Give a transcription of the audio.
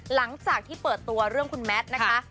หลังจากที่เปิดตัวเรื่องคุณแมทนะคะ